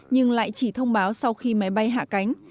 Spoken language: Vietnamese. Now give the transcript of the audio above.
nhưng lại chỉ thông báo sau khi máy bay hạ cánh